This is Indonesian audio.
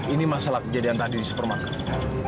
ini masalah kejadian tadi di supermarket